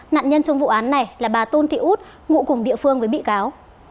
nạn nhân trong vụ án này là bà tôn thị út ngụ cùng địa phương với bị cáo